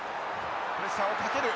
プレッシャーをかける。